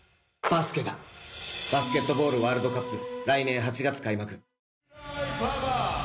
バスケットボールワールドカップ、来年８月開幕。